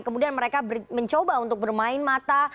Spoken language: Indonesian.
kemudian mereka mencoba untuk bermain mata